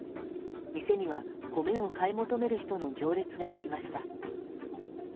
店には米を買い求める人の行列ができました。